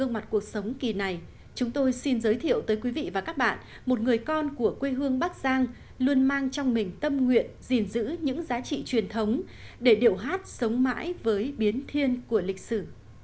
trong cuộc sống kỳ này chúng tôi xin giới thiệu tới quý vị và các bạn một người con của quê hương bắc giang luôn mang trong mình tâm nguyện gìn giữ những giá trị truyền thống để điệu hát sống mãi với biến thiên của lịch sử